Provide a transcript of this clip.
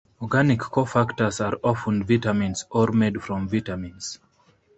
Organic cofactors are often vitamins or made from vitamins.